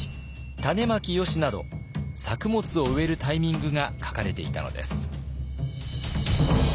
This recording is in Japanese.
「たねまきよし」など作物を植えるタイミングが書かれていたのです。